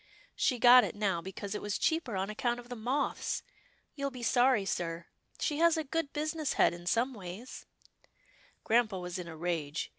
" She got it now, because it was cheaper on account of the moths — you'll be sorry, sir. She has a good business head in some ways —" Grampa was in a rage.